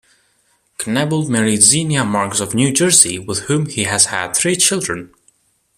Knebel married Zenia Marks of New Jersey, with whom he has had three children.